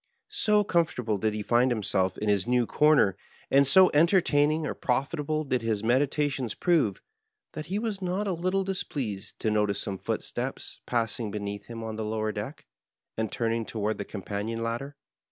So comfortable did he find himself in his new comer, and so entertaining or profitable did his meditations prove, that he was not a little displeased to notice some footsteps passing beneath him on the lower deck, and turning toward the companion ladder.